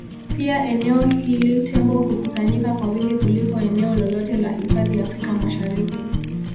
Pia eneo hili Tembo hukusanyika kwa wingi kuliko eneo lolote la hifadhi Afrika Mashariki